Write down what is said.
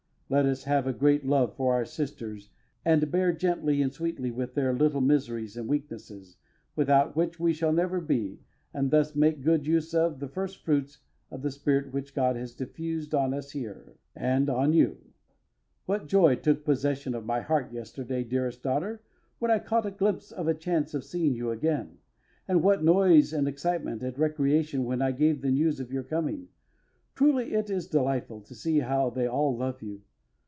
Let us have a great love for our Sisters and bear gently and sweetly with their little miseries and weaknesses, without which we shall never be, and thus make good use of the first fruits of the spirit which God has diffused on us here, and on you. What joy took possession of my heart yesterday, dearest daughter, when I caught a glimpse of a chance of seeing you again, and what noise and excitement at recreation when I gave the news of your coming! Truly it is delightful to see how they all love you.